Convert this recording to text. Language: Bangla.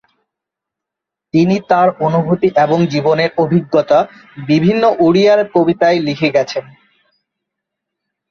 তিনি তাঁর অনুভূতি এবং জীবনের অভিজ্ঞতা বিভিন্ন ওড়িয়া কবিতায় লিখে গেছেন।